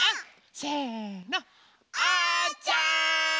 せのおうちゃん！